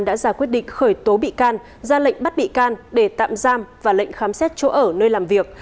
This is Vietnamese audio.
đã ra quyết định khởi tố bị can ra lệnh bắt bị can để tạm giam và lệnh khám xét chỗ ở nơi làm việc